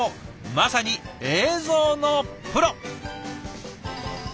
まさに映像のプロ。